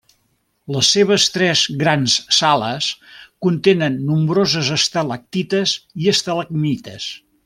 Les seves tres grans sales contenen nombroses estalactites i estalagmites.